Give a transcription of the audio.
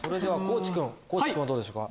地君はどうでしょうか？